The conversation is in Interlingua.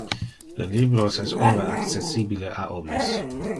Le libros es ora accessibile a omnes.